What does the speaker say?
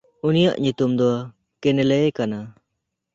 ᱩᱱᱤᱭᱟᱜ ᱧᱩᱛᱩᱢ ᱫᱚ ᱠᱮᱱᱞᱮᱭ ᱠᱟᱱᱟ᱾